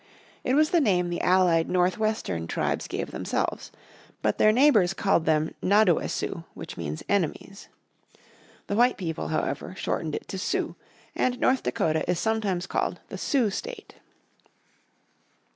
It was the name the allied North Western tribes gave themselves. But their neighbours called them Nadowaysioux, which means "enemies." The white people, however, shortened it to Sioux, and North Dakota is sometimes called the Sioux State.